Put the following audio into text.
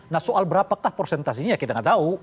nah soal berapakah persentasenya kita enggak tahu